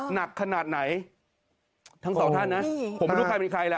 หนักขนาดไหนทั้งสองท่านนะผมไม่รู้ใครเป็นใครล่ะ